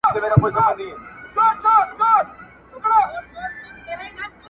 موږ ته مو قسمت پیالې نسکوري کړې د میو!!